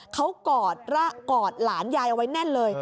เขากอดหลานยายเอาไว้แน่นเลย